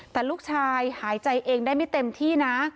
แต่ลูกชายหายใจเองได้ไม่เต็มที่นะ